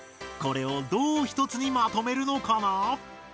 これをどうひとつにまとめるのかな？